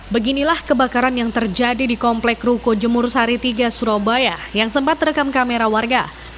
beginilah kebakaran yang terjadi di komplek ruko jemur sari tiga surabaya yang sempat terekam kamera warga